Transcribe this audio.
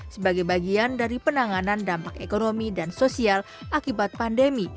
sebagai bagian dari penanganan dampak ekonomi dan sosial akibat pandemi